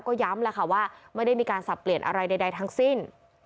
ก็ย้ำแล้วค่ะว่าไม่ได้มีการสับเปลี่ยนอะไรใดทั้งสิ้น